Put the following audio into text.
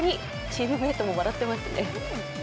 チームメートも笑ってますね。